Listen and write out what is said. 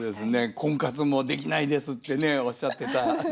「婚活もできないです」ってねおっしゃってたのが。